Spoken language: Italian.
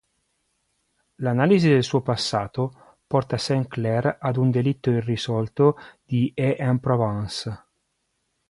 L'analisi del suo passato porta Saint-Clair ad un delitto irrisolto di Aix-en-Provence.